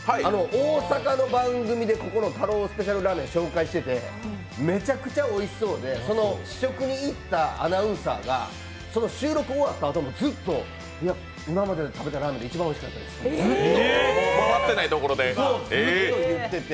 大阪の番組で太郎スペシャルラーメンを紹介しててめちゃくちゃおいしいらしくてその試食に行ったアナウンサーがその収録終わったあともずっといや、今までで食べたラーメンで一番おいしかったですってずっと言ってて。